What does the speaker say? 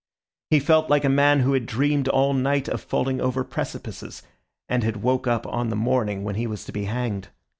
He felt like a man who had dreamed all night of falling over precipices, and had woke up on the morning when he was to be hanged.